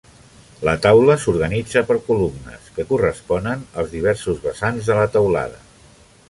La taula s"organitza per columnes que corresponen als diversos vessants de la teulada.